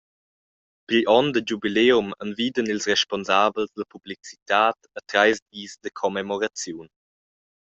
Pigl onn da giubileum envidan ils responsabels la publicitad a treis dis da commemoraziun.